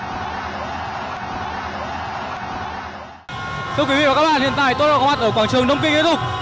xin chào quý vị và các bạn hiện tại tôi đang có mặt ở quảng trường đông kinh việt nam